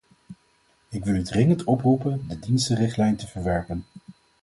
Ik wil u dringend oproepen de dienstenrichtlijn te verwerpen.